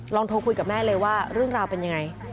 โทรคุยกับแม่เลยว่าเรื่องราวเป็นยังไง